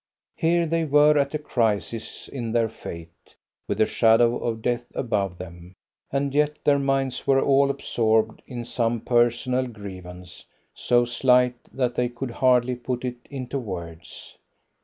Here they were at a crisis in their fate, with the shadow of death above them, and yet their minds were all absorbed in some personal grievance so slight that they could hardly put it into words.